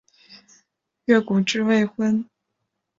越谷治未婚。